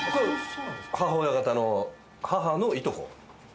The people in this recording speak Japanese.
母親方の母のいとこで。